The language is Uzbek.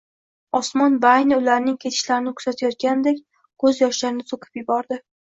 Osmon baayni ularning ketishlarini kutayotgandek, ko`z yoshlarini to`kib yubordi